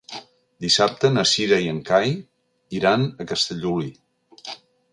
Dissabte na Cira i en Cai iran a Castellolí.